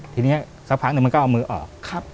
ทีนี้สักพักหนึ่งมันก็เอามือออก